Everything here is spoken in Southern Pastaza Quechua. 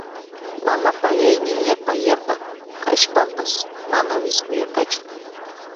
Mama payayni yapa paya kashpanpas mana wiskuyarkachu.